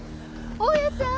大家さん！